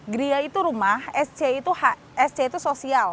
gria itu rumah sc itu sosial